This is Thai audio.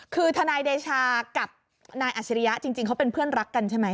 คือทนายเดชากับนายอัชริยะจริงเขาเป็นเพื่อนรักกันใช่ไหม